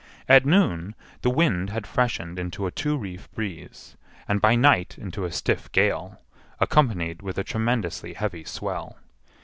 At noon the wind had freshened into a two reef breeze, and by night into a stiff gale, accompanied with a tremendously heavy swell.